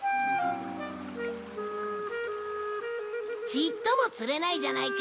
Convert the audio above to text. ちっとも釣れないじゃないか！